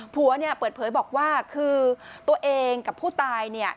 ผัวเปิดเผยบอกว่าคือตัวเองกับผู้ตาย